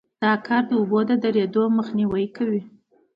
دا کار د اوبو د درېدو مخنیوی کوي